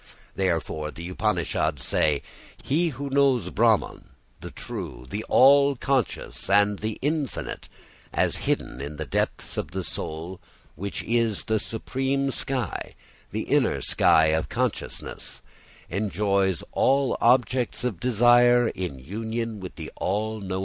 Therefore the Upanishads say: _He who knows Brahman, the true, the all conscious, and the infinite as hidden in the depths of the soul, which is the supreme sky (the inner sky of consciousness), enjoys all objects of desire in union with the all knowing Brahman.